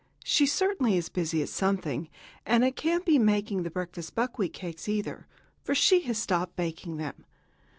She certainly is busy at something, and it can't be making the breakfast buckwheat cakes, either, for she has stopped baking them."